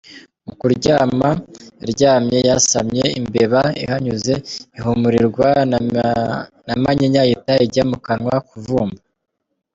Mu kuryama yaryamye yasamye, imbeba ihanyuze ihumurirwa na Manyinya ihita ijya mu kanwa kuvumba.